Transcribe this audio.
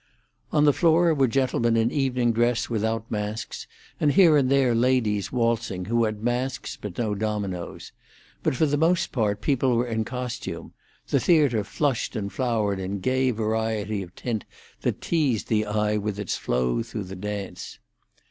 On the floor were gentlemen in evening dress, without masks, and here and there ladies waltzing, who had masks but no dominoes. But for the most part people were in costume; the theatre flushed and flowered in gay variety of tint that teased the eye with its flow through the dance.